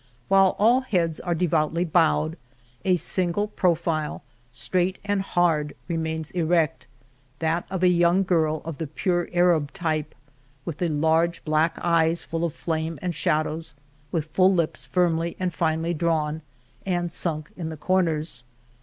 While all heads are devoutly bowed, a single profile, straight and hard, remains erect — that of a young girl of the pure Arab type, with the large black eyes full of flame and shadows, with full lips firmly and finely drawn and sunk in the comers.